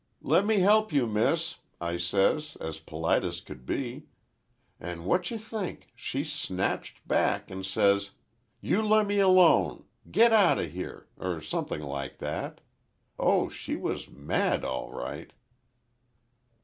"'Lemme help you miss,' I says, as polite as could be—"and watcha think, she snatched back, and says, 'You lemme lone. Get outahere!' or somethin' like that. Oh, she was mad all right."